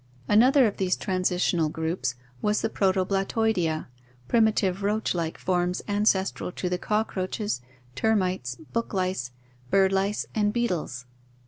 Another of these transi tional groups was the Protoblattoidea, primitive roach like forms ancestral to the cockroaches (see Fig. 138), termites, book lice, bird Hce, and beetles.